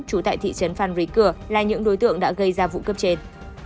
trú tại thị trấn phan rí cửa là những đối tượng đã gây ra vụ cướp trên